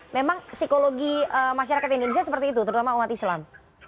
memang psikologi masyarakat indonesia seperti itu terutama umat islam